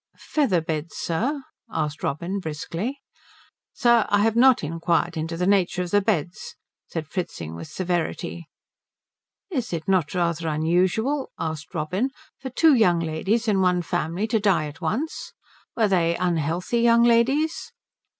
"Feather beds, sir?" asked Robin briskly. "Sir, I have not inquired into the nature of the beds," said Fritzing with severity. "Is it not rather unusual," asked Robin, "for two young ladies in one family to die at once? Were they unhealthy young ladies?"